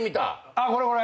あっこれこれ。